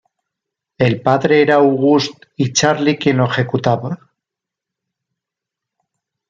El padre era August y Charlie quien lo ejecutaba.